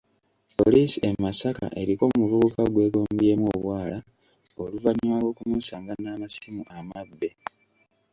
Poliisi e Masaka eriko omuvubuka gwegombyemu obwala oluvannyuma lw'okumusanga n'amasimu amabbe.